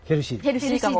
ヘルシーかも。